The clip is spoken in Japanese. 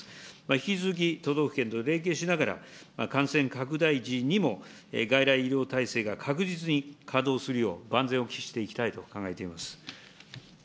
引き続き都道府県と連携しながら、感染拡大時にも外来医療体制が確実に稼働するよう、万全を期していきたいと考えています。